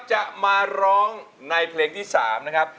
จะมาร้องในเพลงที่๓นะครับ